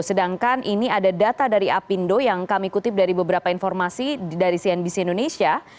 sedangkan ini ada data dari apindo yang kami kutip dari beberapa informasi dari cnbc indonesia